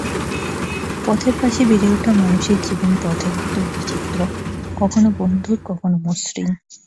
পথের পাশে বেড়ে ওঠা মানুষের জীবন পথের মতোই বিচিত্র—কখনো বন্ধুর, কখনো মসৃণ।